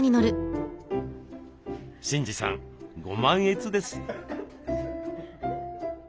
慎司さんご満悦です。